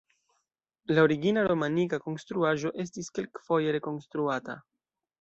La origina romanika konstruaĵo estis kelkfoje rekonstruata.